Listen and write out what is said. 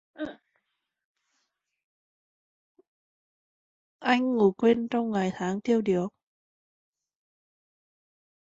Anh ngủ quên trong ngày tháng tiêu đìu